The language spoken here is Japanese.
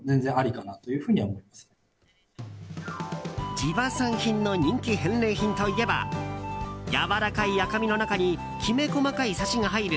地場産品の人気返礼品といえばやわらかい赤身の中にきめ細かいサシが入る